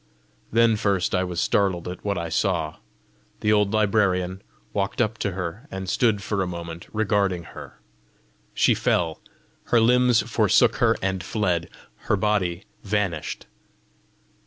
Then first I was startled at what I saw: the old librarian walked up to her, and stood for a moment regarding her; she fell; her limbs forsook her and fled; her body vanished.